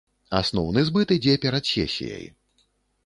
Асноўны збыт ідзе перад сесіяй.